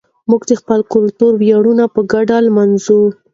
موږ د خپل کلتور ویاړونه په ګډه لمانځو.